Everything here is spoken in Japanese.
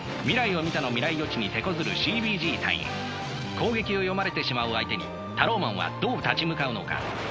攻撃を読まれてしまう相手にタローマンはどう立ち向かうのか。